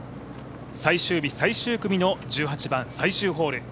最終日最終組の１８番、最終ホール。